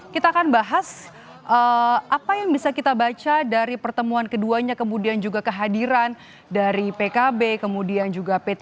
kita akan bahas apa yang bisa kita baca dari pertemuan keduanya kemudian juga kehadiran dari pkb kemudian juga p tiga